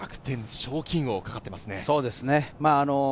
賞金王がかかっていますね。